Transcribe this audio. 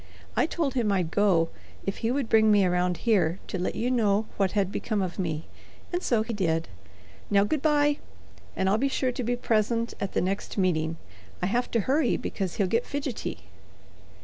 I told him I'd go if he would bring me around here to let you know what had become of me, and so he did. Now, good by, and I'll be sure to be present at the next meeting. I have to hurry because he'll get fidgety."